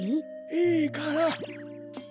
いいから。